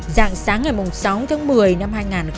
dạng sáng ngày mùng sáu tháng một mươi năm hai nghìn một mươi ba